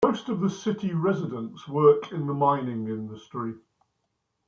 Most of the city residents work in the mining industry.